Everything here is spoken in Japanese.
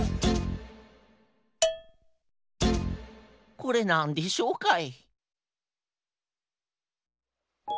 これなんでしょうかい？